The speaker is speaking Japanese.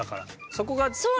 そこがね。